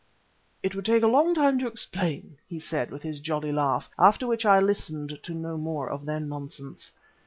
"It would take a long time to explain," he said with his jolly laugh, after which I listened to no more of their nonsense.